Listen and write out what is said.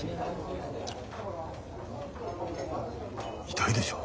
痛いでしょう？